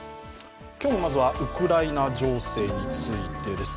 今日もまずはウクライナ情勢についてです。